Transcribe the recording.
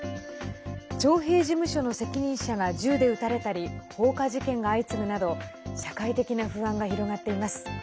徴兵事務所の責任者が銃で撃たれたり放火事件が相次ぐなど社会的な不安が広がっています。